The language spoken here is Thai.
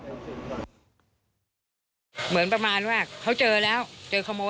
พบว่าผู้ตายจุดไฟเผาภายในห้องของผู้ตายจนถูกไฟคลอกนะครับ